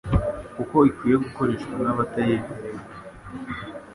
uko ikwiye gukoreshwa n'abatayemerewe